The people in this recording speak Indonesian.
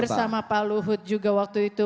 bersama pak luhut juga waktu itu